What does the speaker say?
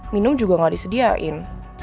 minum juga ga disediain